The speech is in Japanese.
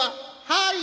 「はい。